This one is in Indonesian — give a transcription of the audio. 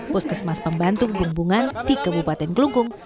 puskesmas pembantu bumbungan di kebupaten kelungkung